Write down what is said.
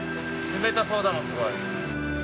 ◆冷たそうだもん、すごい。